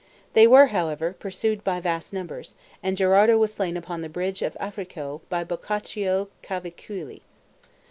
They were, however, pursued by vast numbers, and Gherardo was slain upon the bridge of Affrico by Boccaccio Cavicciulli.